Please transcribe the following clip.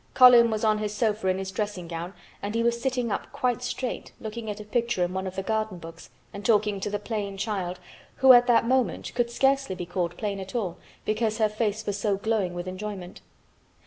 Colin was on his sofa in his dressing gown and he was sitting up quite straight looking at a picture in one of the garden books and talking to the plain child who at that moment could scarcely be called plain at all because her face was so glowing with enjoyment.